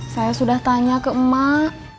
saya sudah tanya ke emak